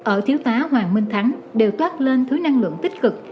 ở thiếu tá hoàng minh thắng đều toát lên thiếu năng lượng tích cực